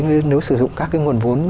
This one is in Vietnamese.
nếu sử dụng các cái nguồn vốn